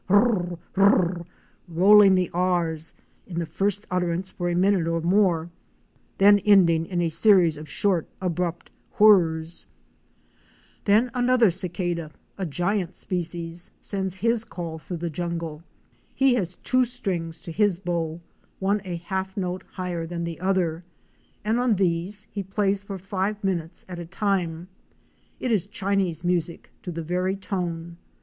wh r r! wh r r! wh r r! wh r r! rolling the r's in the first utterance for a minute or more, then ending in a series of short, abrupt whirs. THE LAND OF A SINGLE TREE, 25 Then another cicada, a giant species, sends his call through the jungle; he has two strings to his bow, one a half note higher than the other, and on these he plays for five minutes at a time. It is Chinese music to the very tone.